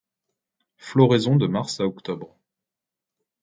Floraison de mars à octobre.